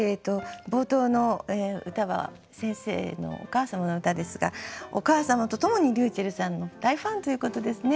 冒頭の歌は先生のお母様の歌ですがお母様と共にりゅうちぇるさんの大ファンということですね。